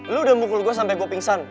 lu udah mukul gue sampai gue pingsan